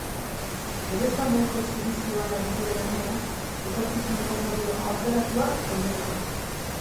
Geruza meheko silizioan ari dira lanean etorkizuneko modulo aurreratuak egiteko.